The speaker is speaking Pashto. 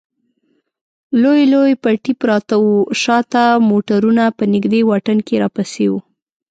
لوی لوی پټي پراته و، شا ته موټرونه په نږدې واټن کې راپسې و.